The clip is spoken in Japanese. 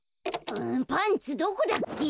パンツどこだっけ？